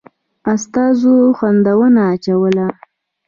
استازو خنډونه اچول.